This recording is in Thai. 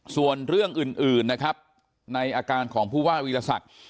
ส่วนเรื่องอื่นในอาการของผู้ว่าวิทยาศักดิ์